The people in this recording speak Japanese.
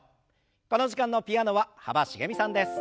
この時間のピアノは幅しげみさんです。